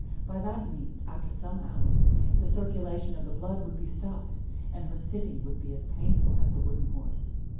By that means, after some hours, the circulation of the blood would be stopped, and her sitting would be as painful as the wooden horse.